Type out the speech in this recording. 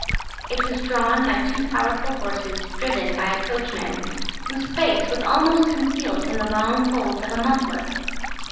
It was drawn by two powerful horses driven by a coachman whose face was almost concealed in the long folds of a muffler.